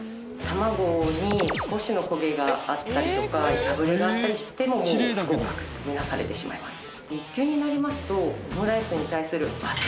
卵に少しの焦げがあったりとか破れがあったりしてももう不合格と見なされてしまいます。